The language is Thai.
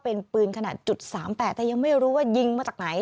เป็นปืนขนาด๓๘แต่ยังไม่รู้ว่ายิงมาจากไหน